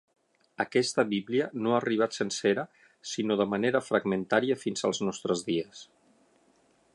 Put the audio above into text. Aquesta Bíblia no ha arribat sencera sinó de manera fragmentària fins als nostres dies.